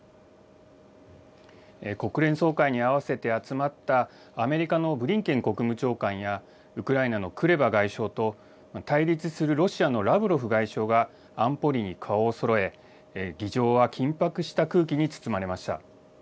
国連総会に合わせて集まった、アメリカのブリンケン国務長官やウクライナのクレバ外相と対立するロシアのラブロフ外相が安保理に顔をそろえ、議場は緊迫した空気に包まれました。